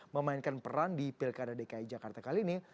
memainkan peran di pilkada dki jakarta kali ini